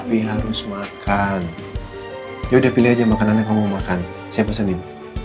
tapi harus makan ya udah pilih aja makanan yang kamu mau makan saya pesenin